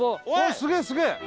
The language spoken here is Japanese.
すげえすげえ！